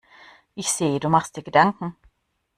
Ich sehe, du machst dir Gedanken.